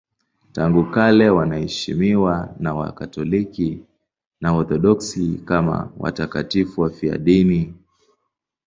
Tangu kale wanaheshimiwa na Wakatoliki na Waorthodoksi kama watakatifu wafiadini.